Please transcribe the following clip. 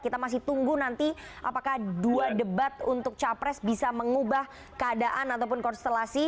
kita masih tunggu nanti apakah dua debat untuk capres bisa mengubah keadaan ataupun konstelasi